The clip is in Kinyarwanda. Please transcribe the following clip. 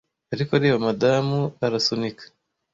ariko reba madamu arasunika